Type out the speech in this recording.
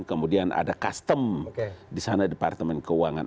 kemudian ada custom di sana departemen keuangan